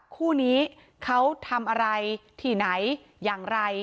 คู่นี้เขาทำอะไรที่ไหนอย่างไร